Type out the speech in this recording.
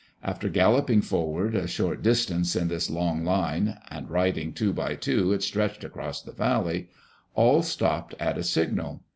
After galloping forward a short distance in this long line — and riding two by two it stretched across the valley — all stopped at a signal.